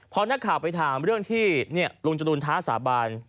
พอนักข่าวไปถามเรื่องที่ลุงจรูนท้าสาบาน